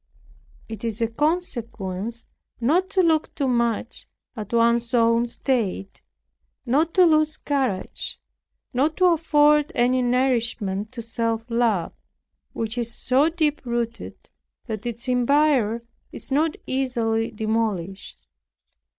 It is of consequence not to look too much at one's own state, not to lose courage, not to afford any nourishment to self love, which is so deep rooted, that its empire is not easily demolished.